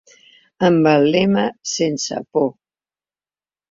Amb el lema Sense por.